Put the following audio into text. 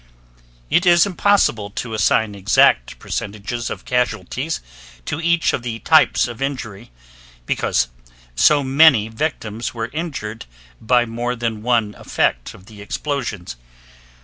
It is impossible to assign exact percentages of casualties to each of the types of injury, because so many victims were injured by more than one effect of the explosions.